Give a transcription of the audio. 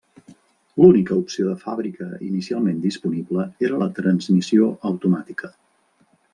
L'única opció de fàbrica inicialment disponible era la transmissió automàtica.